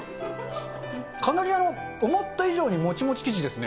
かなり思った以上にもちもち生地ですね。